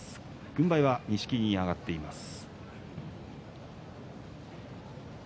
軍配は錦木に上がっています。